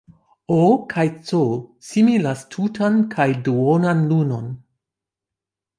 O. kaj C. similas tutan kaj duonan lunon.